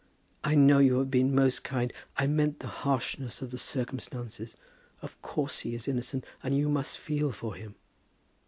"I know you have been most kind. I meant the harshness of the circumstances. Of course he is innocent, and you must feel for him."